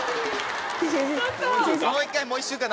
もう１回もう１周かな？